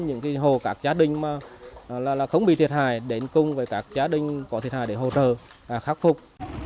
những hồ các gia đình mà không bị thiệt hại đến cùng với các gia đình có thiệt hại để hỗ trợ khắc phục